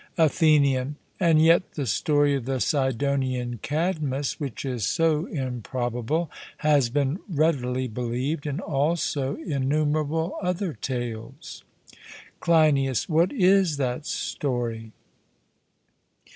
ATHENIAN: And yet the story of the Sidonian Cadmus, which is so improbable, has been readily believed, and also innumerable other tales. CLEINIAS: What is that story?